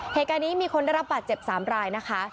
เหตุการณ์นี้มีคนได้รับบาดเจ็บ๓รายนะคะ